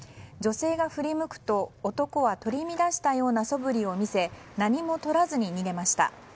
女性が振り向くと男は取り乱したようなそぶりを見せ何も取らずに逃げました。